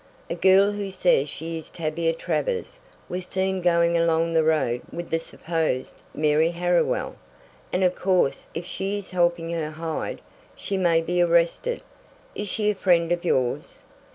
"A girl who says she is Tavia Travers was seen going along the road with the supposed Mary Harriwell, and of course if she is helping her hide, she may be arrested. Is she a friend of yours?"